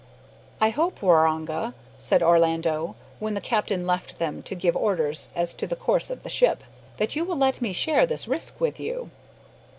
"I hope, Waroonga," said Orlando, when the captain left them to give orders as to the course of the ship, "that you will let me share this risk with you?"